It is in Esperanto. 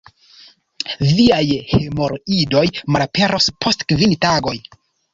Viaj hemoroidoj malaperos post kvin tagoj.